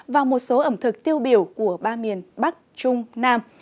và một số ẩm thực tiêu biểu của ba miền bắc trung nam